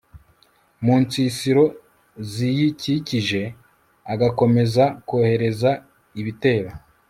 mu nsisiro ziyikikije, agakomeza kohereza ibitero